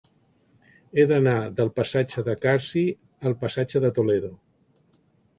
He d'anar del passatge de Carsi al passatge de Toledo.